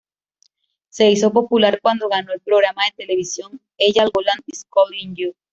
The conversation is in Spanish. Se hizo popular cuando ganó el programa de televisión "Eyal Golan Is Calling You".